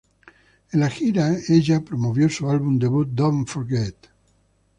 En la gira, ella promovió su álbum debut Don't Forget.